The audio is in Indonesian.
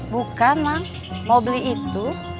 bukan mang mau beli itu